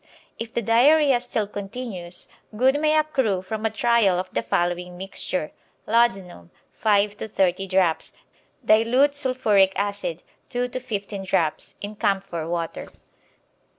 If the diarrhoea still continues, good may accrue from a trial of the following mixture: Laudanum, 5 to 30 drops; dilute sulphuric acid, 2 to 15 drops; in camphor water.